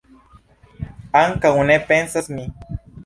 Ankaŭ ne pensas mi.